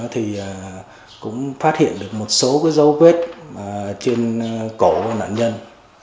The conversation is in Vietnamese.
thì cũng phát hiện được một số dấu vết trên cổ của nạn nhân